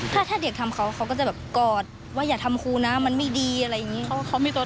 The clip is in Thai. ถ้าถ้าเด็กทำเขาเขาก็จะแบบกอดว่าอย่าทำครูนะมันไม่ดีอะไรอย่างนี้